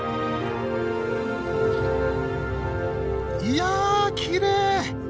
いやきれい！